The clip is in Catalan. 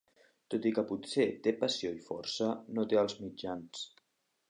Tot i que potser té passió i força, no té els mitjans.